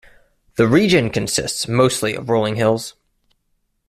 The region consists mostly of rolling hills.